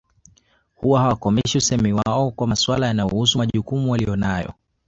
Huwa hawakomeshi usemi wao kwa maswala yanayohusu majukumu waliyo nayo